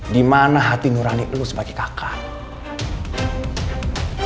dimana hati nurani lu sebagai kakak